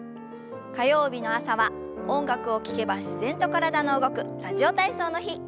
火曜日の朝は音楽を聞けば自然と体の動く「ラジオ体操」の日。